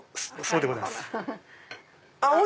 そうでございます。